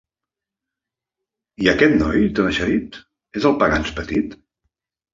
I aquest noi tan eixerit, és el Pagans petit?